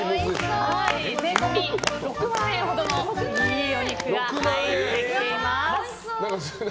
税込み６万円ほどのいいお肉が入ってきています。